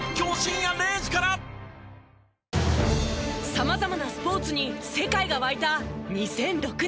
様々なスポーツに世界が沸いた２００６年。